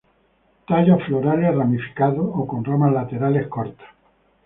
Tallos florales ramificados o con ramas laterales cortas.